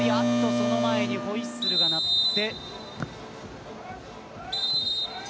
その前にホイッスルが鳴って。